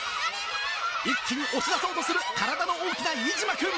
一気に押し出そうとする体の大きな飯島君。